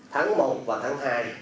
tháng một và tháng hai